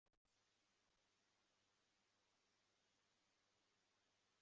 杯鞘石斛为兰科石斛属下的一个种。